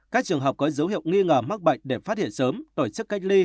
các trường hợp có dấu hiệu nghi ngờ mắc bệnh để phát hiện sớm tổ chức cách ly